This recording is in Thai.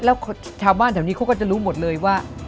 แล้วชาวบ้านแถวนี้เขาก็จะรู้หมดเลยว่า